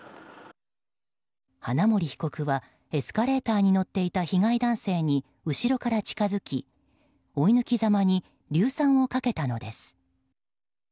花森被告はエスカレーターに乗っていた被害男性に後ろから近づき、追い抜きざまに硫酸をかけたのです。